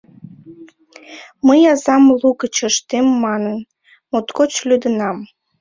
— Мый азам лугыч ыштем манын, моткоч лӱдынам.